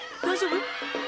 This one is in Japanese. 大丈夫？